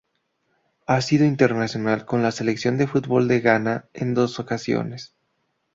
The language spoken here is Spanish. Ha sido internacional con la Selección de fútbol de Ghana en dos ocasiones.